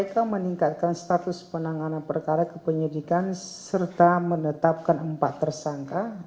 kpk meningkatkan status penanganan perkara kepenyidikan serta menetapkan empat tersangka